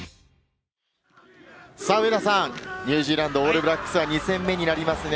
上田さん、ニュージーランド・オールブラックスは２戦目になりますね。